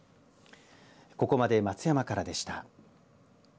ここまで松山からでした。